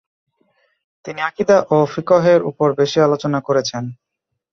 তিনি আকিদা ও ফিকহের উপর বেশি আলোচনা করেছেন।